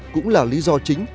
cũng là lý do chính